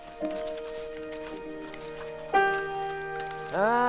ああ！